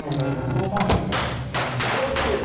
そのための今日は実験ですので。